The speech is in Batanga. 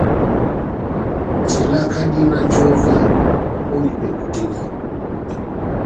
Tilaka dina jɔvɛ ó ipɛpu tɛ́ dí.